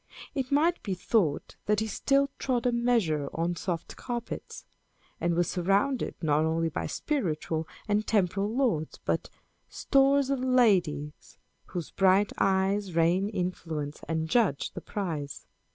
It might be thought that he still trod a measure on soft carpets, and was surrounded, not only by spiritual and temporal lords, but Stores of ladies, whose bright eyes Rain influence, and judge the prize.